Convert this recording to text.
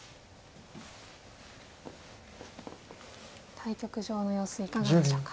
対局場の様子いかがでしょうか？